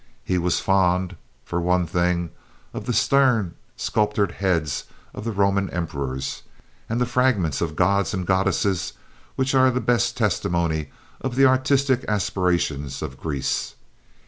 He was fond, for one thing, of the stern, sculptured heads of the Roman emperors, and the fragments of gods and goddesses which are the best testimony of the artistic aspirations of Greece.